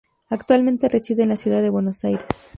Actualmente reside en la ciudad de Buenos Aires.